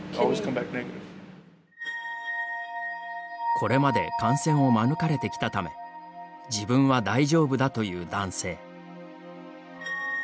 これまで感染を免れてきたため自分は大丈夫だと言う男性。